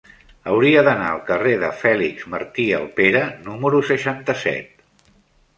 Hauria d'anar al carrer de Fèlix Martí Alpera número seixanta-set.